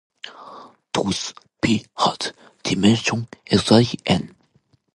Thus, "P" has dimension exactly "n".